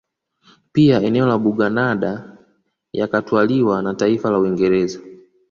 Pia eneo la Buganada yakatwaliwa na taifa la Uingereza